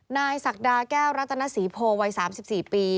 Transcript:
ศักดาแก้วรัตนศรีโพวัย๓๔ปี